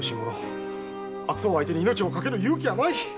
悪党相手に命を賭ける勇気はない！